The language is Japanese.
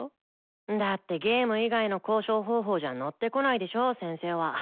だって遊戯以外の交渉方法じゃ乗ってこないでしょ先生は。